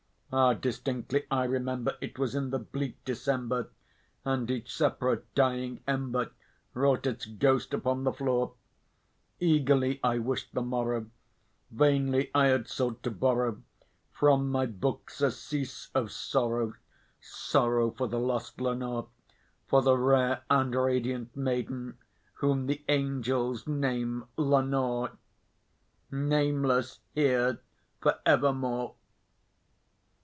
Ah, distinctly I remember it was in the bleak December, And each separate dying ember wrought its ghost upon the floor. Eagerly I wished the morrow; vainly I had sought to borrow From my books surcease of sorrow sorrow for the lost Lenore For the rare and radiant maiden whom the angels name Lenore Nameless here for evermore.